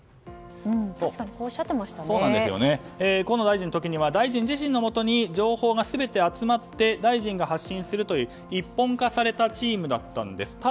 河野大臣の時には大臣自身のもとに情報がすべて集まって大臣が発信するという一本化されたチームだったんです。